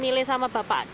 milih sama bapak aja